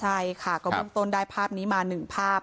ใช่ค่ะก็พรุ่งต้นได้ภาพนี้มาหนึ่งภาพ